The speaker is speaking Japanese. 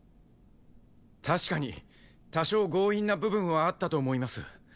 確かに多少強引な部分はあったと思います。